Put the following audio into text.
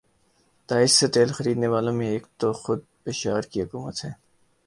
داعش سے تیل خرینے والوں میں ایک تو خود بشار کی حکومت ہے